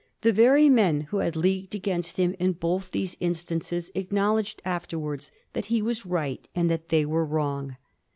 The very men who had leagued against him in both these instances acknowledged afterwards that he was right and that they were wrong.